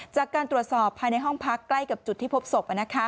จากการตรวจสอบภายในห้องพักใกล้กับจุดที่พบศพ